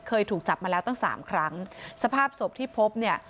เคยถูกจับมาแล้วตั้งสามครั้งสภาพศพที่พบเนี่ย